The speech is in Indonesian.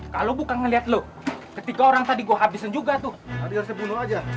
kalau bukan melihat lo ketika orang tadi gue habisin juga tuh hari sepuluh aja